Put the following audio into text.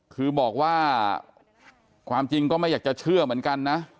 คือบอกว่าความจริงก็ไม่อยากจะเชื่อเหมือนกันนะ